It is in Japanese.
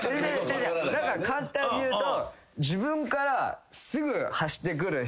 簡単に言うと。